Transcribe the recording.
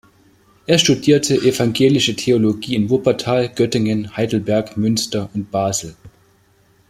Er studierte Evangelische Theologie in Wuppertal, Göttingen, Heidelberg, Münster und Basel.